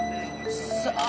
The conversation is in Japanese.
さあ？